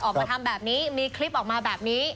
ออกมาทำแบบนี้มีคลิปออกมาแบบนี้